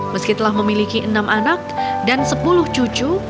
meskipun memiliki enam anak dan sepuluh cucu